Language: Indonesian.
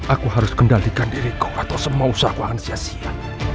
aku harus kendalikan diri kau atau semua usaha ku akan sia sia